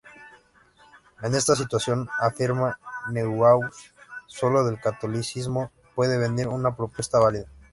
En esta situación —afirma Neuhaus—, sólo del catolicismo puede venir una propuesta válida.